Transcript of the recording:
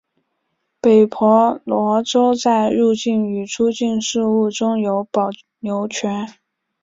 北婆罗洲在入境与出境事务中有保留权。